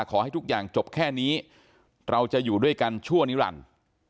ขอให้ทุกอย่างจบแค่นี้เราจะอยู่ด้วยกันชั่วนิรันดิ์